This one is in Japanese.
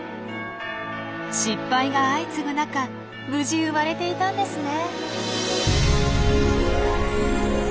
失敗が相次ぐ中無事生まれていたんですね！